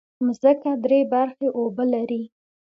مځکه درې برخې اوبه لري.